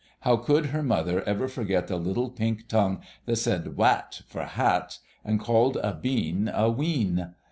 How could her mother ever forget the little pink tongue that said "wat" for hat, and called a bean a "ween"!